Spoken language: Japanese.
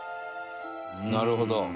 なるほど。